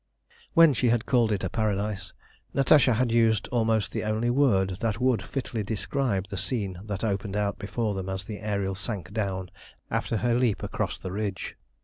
When she had called it a paradise, Natasha had used almost the only word that would fitly describe the scene that opened out before them as the Ariel sank down after her leap across the ridge.